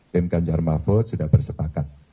tim ganjar mahfud sudah bersepakat